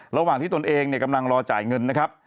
ระหว่างที่ตนเองกำลังรอจ่ายเงินนะครับ